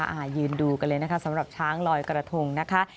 อ่ายืนดูกันเลยนะคะสำหรับช้างลอยกระทงนะคะ